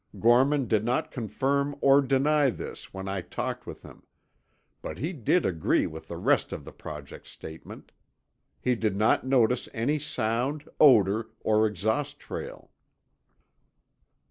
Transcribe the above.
Gorman did not confirm or deny this when I talked with him. But he did agree with the rest of the Project statement. He did not notice any sound, odor, or exhaust trail.